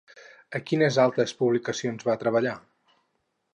A quines altres publicacions va treballar?